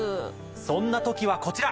そんな時はこちら。